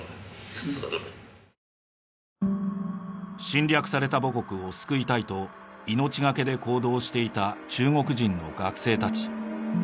侵略された母国を救いたいと命懸けで行動していた中国人の学生たち。